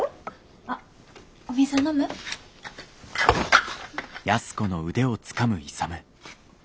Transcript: あっお水う飲む？